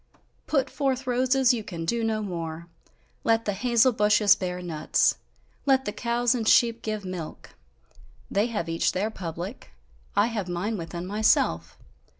Put forth roses, you can do no more! Let the hazel bushes bear nuts! Let the cows and sheep give milk; they have each their public, I have mine within myself!